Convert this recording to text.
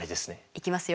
いきますよ。